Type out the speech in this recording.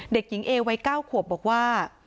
เด็กหญิงเอวัย๙ขวบบอกว่า